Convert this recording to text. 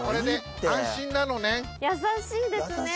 優しいですね。